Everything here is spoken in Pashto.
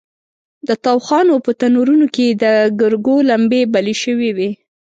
د تاوخانو په تنورونو کې د ګرګو لمبې بلې شوې وې.